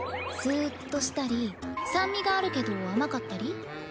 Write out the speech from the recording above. スッとしたり酸味があるけど甘かったり？